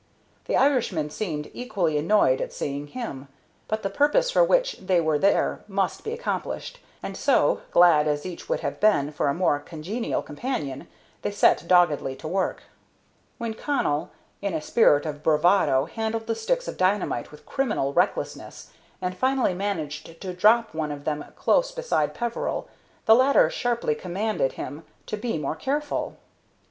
The Irishman seemed equally annoyed at seeing him, but the purpose for which they were there must be accomplished, and so, glad as each would have been for a more congenial companion, they set doggedly to work. When Connell, in a spirit of bravado, handled the sticks of dynamite with criminal recklessness, and finally managed to drop one of them close beside Peveril, the latter sharply commanded him to be more careful.